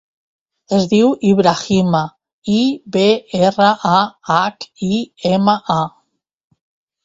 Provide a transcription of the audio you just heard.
Es diu Ibrahima: i, be, erra, a, hac, i, ema, a.